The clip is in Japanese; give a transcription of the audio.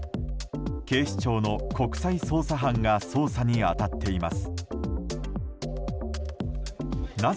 警視庁の国際捜査班が捜査に当たっています。